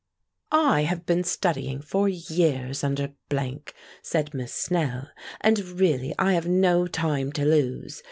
"I have been studying for years under ," said Miss Snell, "and really I have no time to lose.